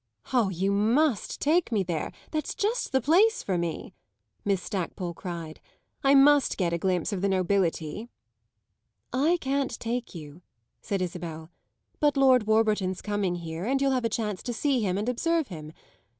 "Ah, you must take me there that's just the place for me!" Miss Stackpole cried. "I must get a glimpse of the nobility." "I can't take you," said Isabel; "but Lord Warburton's coming here, and you'll have a chance to see him and observe him.